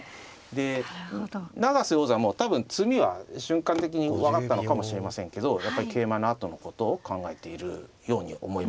で永瀬王座も多分詰みは瞬間的に分かったのかもしれませんけどやっぱり桂馬のあとのことを考えているように思いますね。